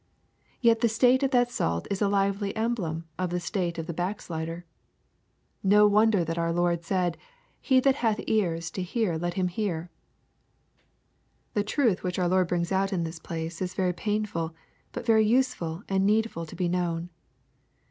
Yet the state of that salt is a lively emblem of the state of a backslider. No wonder that our Lord said, " He that hath ears to hear let him hear." The truth which our Lord brings out in this place is very painful, but very useful and needful to be known.